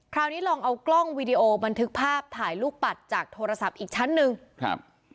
คราวนี้ลองเอากล้องวีดีโอบันทึกภาพถ่ายลูกปัดจากโทรศัพท์อีกชั้นหนึ่งครับ